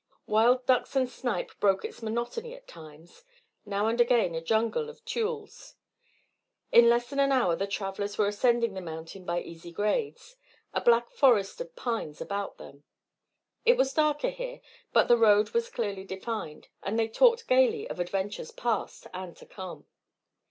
Wild ducks and snipe broke its monotony at times, now and again a jungle of tules. In less than an hour the travellers were ascending the mountain by easy grades, a black forest of pines about them. It was darker here, but the road was clearly defined, and they talked gaily of adventures past and to come.